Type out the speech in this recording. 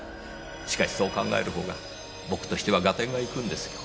しかしそう考えるほうが僕としては合点がいくんですよ。